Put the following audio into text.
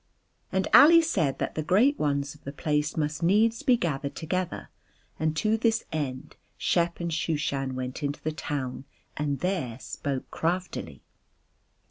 And Ali said that the great ones of the place must needs be gathered together, and to this end Shep and Shooshan went into the town and there spoke craftily.